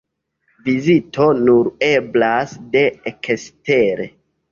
Vizito nur eblas de ekstere.